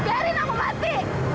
biarin aku mati